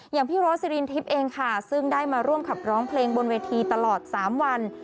อย่างพี่โรสสิรินทิพย์เองค่ะซึ่งได้มาร่วมขับร้องเพลงบนเวทีตลอด๓วัน